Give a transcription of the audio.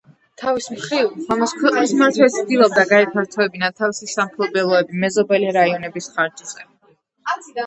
თავის მხრივ, მამას ქვეყნის მმართველიც ცდილობდა გაეფართოებინა თავისი სამფლობელოები მეზობელი რაიონების ხარჯზე.